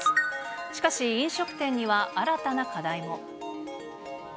しかし飲食店には新たな課題も。